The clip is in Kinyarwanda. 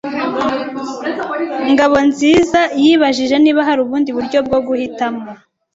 Ngabonziza yabajije niba hari ubundi buryo bwo guhitamo.